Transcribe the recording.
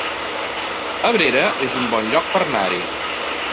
Abrera es un bon lloc per anar-hi